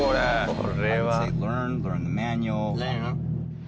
これは。